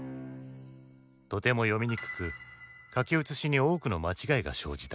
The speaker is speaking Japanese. とても読みにくく書き写しに多くの間違いが生じた。